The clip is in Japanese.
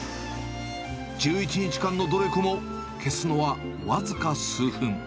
１１日間の努力も消すのは僅か数分。